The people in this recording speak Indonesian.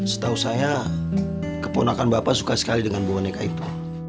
setahu saya keponakan bapak suka sekali dengan boneka itu